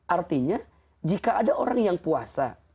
artinya jika ada orang yang puasa